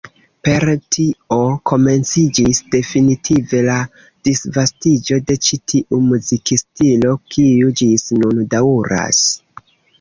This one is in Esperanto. Per tio komenciĝis definitive la disvastiĝo de ĉi tiu muzikstilo, kiu ĝis nun daŭras.